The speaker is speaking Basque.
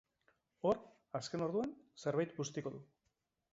Hor, azken orduan, zerbait bustiko du.